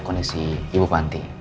kondisi ibu panti